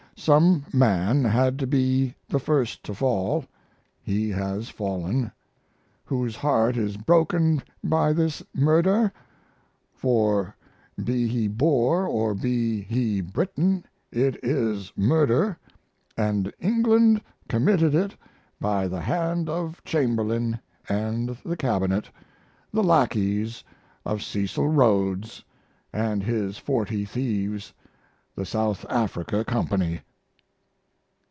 Some man had to be the first to fall; he has fallen. Whose heart is broken by this murder? For, be he Boer or be he Briton, it is murder, & England committed it by the hand of Chamberlain & the Cabinet, the lackeys of Cecil Rhodes & his Forty Thieves, the South Africa Company.